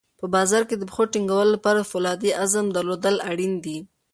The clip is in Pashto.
په بازار کې د پښو ټینګولو لپاره د فولادي عزم درلودل اړین دي.